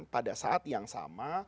pada saat yang sama